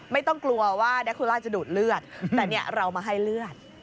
ไม่ต้องกลัวว่าแดโคล่าจะดูดเลือดแต่เนี่ยเรามาให้เลือด